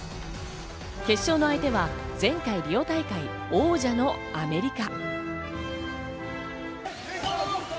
決勝の相手は前回リオ大会王者のアメリカ。